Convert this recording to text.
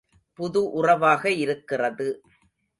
புது உறவாக இருக்கிறது.